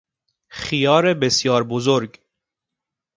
خیار بسیار بزرگ